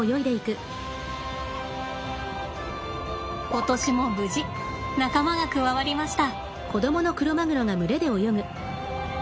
今年も無事仲間が加わりました。